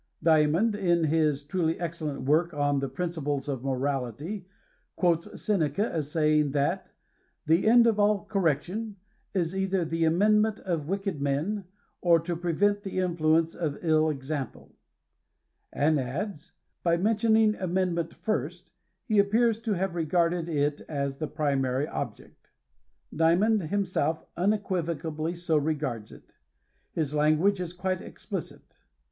Dymond, in his truly excellent work on the Principles of Morality, quotes Seneca as saying, that the end of all correction is ekher the amendment of wicked men, or to prevent the influence of ill example ;" and adds, *' by mentioning amendment first, he ap pears to have regarded it as the primary object." Dymond himself unequivocally so regards it. His language is quite explicit.